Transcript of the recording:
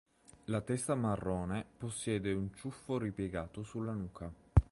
La testa marrone possiede un ciuffo ripiegato sulla nuca.